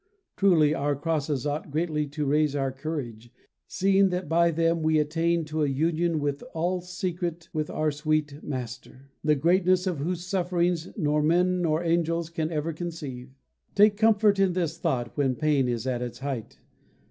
Truly our crosses ought greatly to raise our courage, seeing that by them we attain to a union all secret with our sweet Master, the greatness of whose sufferings nor men nor angels can ever conceive. Take comfort in this thought when pain is at its height.